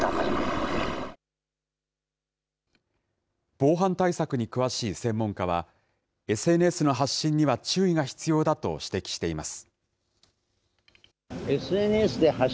防犯対策に詳しい専門家は、ＳＮＳの発信には注意が必要だと指摘しています。